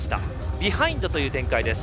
ビハインドという展開です。